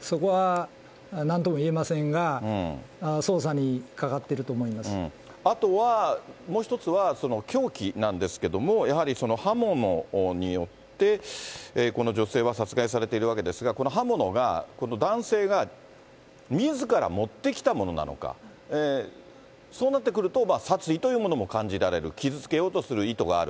そこはなんとも言えませんが、あとは、もう一つは、凶器なんですけれども、やはり刃物によって、この女性は殺害されているわけですが、この刃物が、男性がみずから持ってきたものなのか、そうなってくると、殺意というものも感じられる、傷つけようとする意図がある。